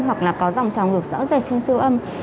hoặc là có dòng trào ngược rõ rệt trên siêu âm